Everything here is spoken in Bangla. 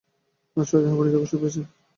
আজ সারাদিন হাঁপানিতে কষ্ট পেয়েছেন।